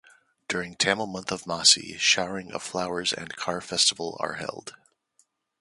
During Tamil month of Masi showering of flowers and car festival are held.